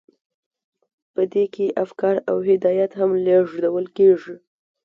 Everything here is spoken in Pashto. په دې کې افکار او هدایات هم لیږدول کیږي.